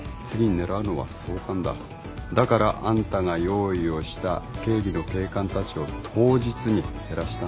だからあんたが用意をした警備の警官たちを当日に減らしたんだ。